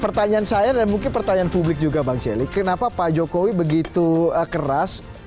pertanyaan saya dan mungkin pertanyaan publik juga bang celi kenapa pak jokowi begitu keras